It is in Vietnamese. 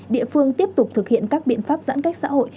địa phương tiếp tục thực hiện các biện pháp giãn cách xã hội